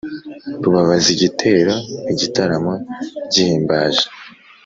Rubabazigitero igitaramo gihimbaje